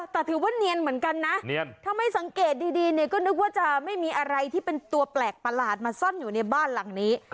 แต่ถือว่าเนียนเหมือนกันนะถ้าไม่สังเกตดีเนี่ยก็นึกว่าจะไม่มีอะไรที่เป็นตัวแปลกประหลาดมาซ่อนอยู่ในบ้านหลังนี้